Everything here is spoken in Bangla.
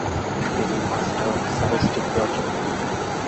তিনি মাস্টার অফ সায়েন্স ডিগ্রী অর্জন করেন।